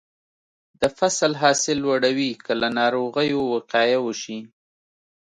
د فصل حاصل لوړوي که له ناروغیو وقایه وشي.